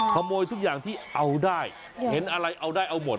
ขโมยทุกอย่างที่เอาได้เห็นอะไรเอาได้เอาหมด